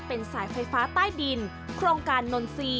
เป็นสายไฟฟ้าใต้ดินโครงการโดน๔